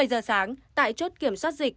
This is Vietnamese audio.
bảy h sáng tại chốt kiểm soát dịch